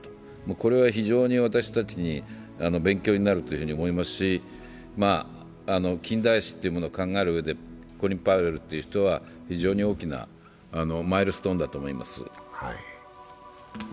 これは非常に私たちに勉強になると思いますし、近代史を考える上で、コリン・パウエルという人は非常に大きなマイルストーンだと思います。